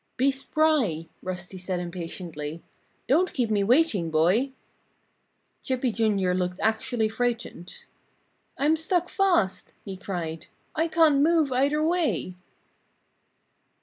"Be spry!" Rusty said impatiently. "Don't keep me waiting, boy!" Chippy, Jr., looked actually frightened. "I'm stuck fast!" he cried. "I can't move either way!"